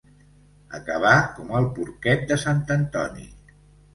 Acabar com el porquet de sant Antoni.